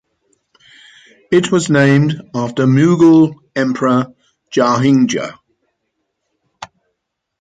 It was named after Mughal Emperor Jahangir.